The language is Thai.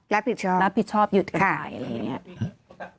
รับผิดชอบรับผิดชอบหยุดกันไปอะไรอย่างนี้